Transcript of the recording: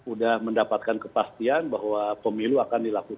udah mendapatkan kepastian bahwa pemilu akan disesuaikan